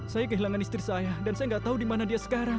saya kehilangan istri saya dan saya nggak tahu di mana dia sekarang